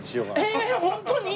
ええホントに！？